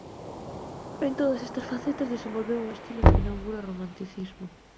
En todas estas facetas desenvolveu un estilo que inaugura o Romanticismo.